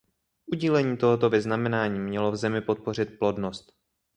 Udílení tohoto vyznamenání mělo v zemi podpořit plodnost.